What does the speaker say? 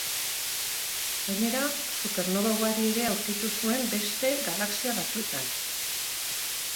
Gainera, supernoba ugari ere aurkitu zuen beste galaxia batzuetan.